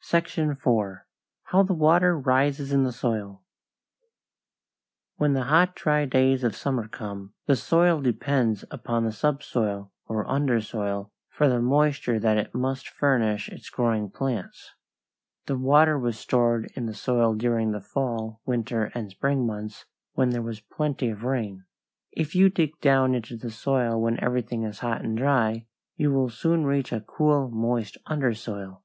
SECTION IV. HOW THE WATER RISES IN THE SOIL [Illustration: FIG. 8. USING LAMP CHIMNEYS TO SHOW THE RISE OF WATER IN SOIL] When the hot, dry days of summer come, the soil depends upon the subsoil, or undersoil, for the moisture that it must furnish its growing plants. The water was stored in the soil during the fall, winter, and spring months when there was plenty of rain. If you dig down into the soil when everything is dry and hot, you will soon reach a cool, moist undersoil.